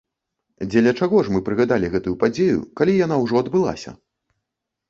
Дзеля чаго ж мы прыгадалі гэтую падзею, калі яна ўжо адбылася?